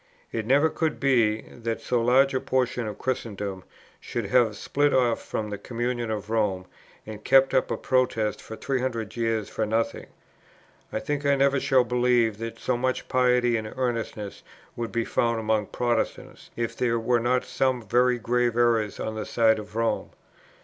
It never could be, that so large a portion of Christendom should have split off from the communion of Rome, and kept up a protest for 300 years for nothing. I think I never shall believe that so much piety and earnestness would be found among Protestants, if there were not some very grave errors on the side of Rome.